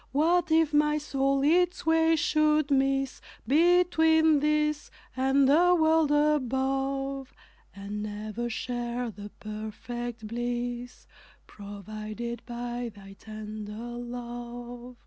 What if my soul its way should miss Between this and the world above, And never share the perfect bliss Provided by thy tender love?